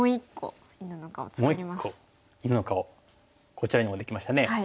こちらにもできましたね。